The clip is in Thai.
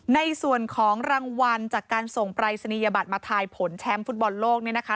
ในส่วนของรางวัลจากการส่งปรายศนียบัตรมาทายผลแชมป์ฟุตบอลโลกเนี่ยนะคะ